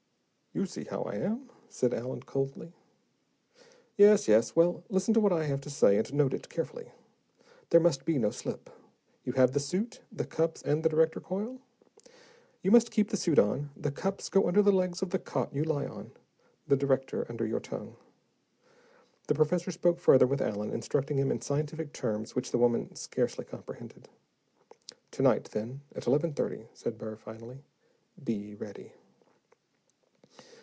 "You see how I am," said Allen, coldly. "Yes, yes. Well, listen to what I have to say and note it carefully. There must be no slip. You have the suit, the cups and the director coil? You must keep the suit on, the cups go under the legs of the cot you lie on. The director under your tongue." The professor spoke further with Allen, instructing him in scientific terms which the woman scarcely comprehended. "To night, then at eleven thirty," said Burr, finally. "Be ready."